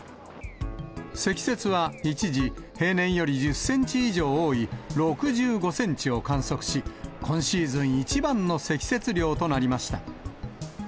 積雪は一時、平年より１０センチ以上多い６５センチを観測し、今シーズン一番の積雪量となりました。